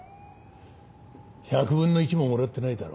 １００分の１ももらってないだろ？